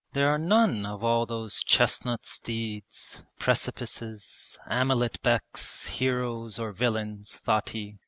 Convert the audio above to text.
'There are none of all those chestnut steeds, precipices, Amalet Beks, heroes or villains,' thought he.